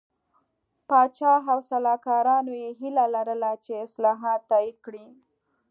پاچا او سلاکارانو یې هیله لرله چې اصلاحات تایید کړي.